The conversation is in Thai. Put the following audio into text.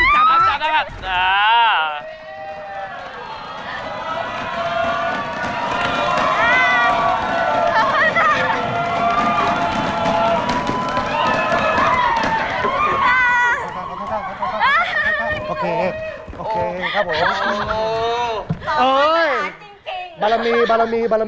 ต่ำกว่า๑๘ปีบริบูรณ์